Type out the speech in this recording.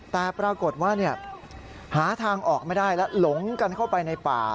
แต่ปรากฏว่าหาทางออกไม่ได้แล้วหลงกันเข้าไปในป่า